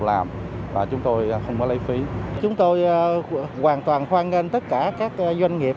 làm và chúng tôi không có lây phí chúng tôi hoàn toàn hoan nghênh tất cả các doanh nghiệp